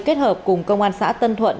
kết hợp cùng công an xã tân thuận